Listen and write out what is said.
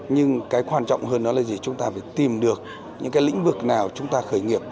nhưng cái quan trọng hơn đó là gì chúng ta phải tìm được những cái lĩnh vực nào chúng ta khởi nghiệp